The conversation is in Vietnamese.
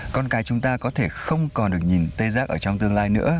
con cái chúng ta có thể không còn được nhìn tê giác ở trong tương lai nữa